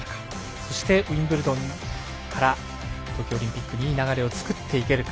そしてウィンブルドンから東京オリンピックにいい流れを作っていけるか。